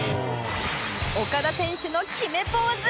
オカダ選手の決めポーズ